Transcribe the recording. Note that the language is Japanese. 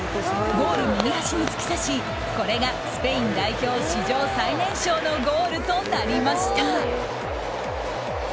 ゴール右端に突き刺しこれがスペイン代表史上最年少のゴールとなりました。